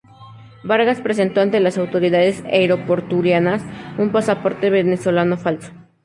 Vargas presentó ante las autoridades aeroportuarias un pasaporte venezolano falso.